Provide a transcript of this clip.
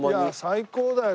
最高だよ。